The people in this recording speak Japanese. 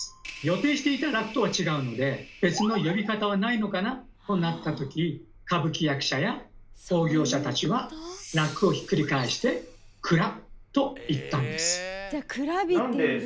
予定していた楽とは違うので別の呼び方はないのかなとなったとき歌舞伎役者や興行者たちは「らく」をひっくり返して「くら」と言ったんです。